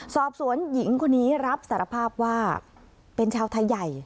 สอบสวนหญิงคนนี้รับสารภาพว่าเป็นชาวไทยใหญ่